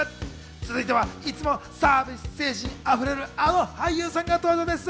続いてはいつもサービス精神溢れる、あの俳優さんが登場です。